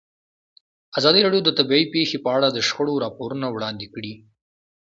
ازادي راډیو د طبیعي پېښې په اړه د شخړو راپورونه وړاندې کړي.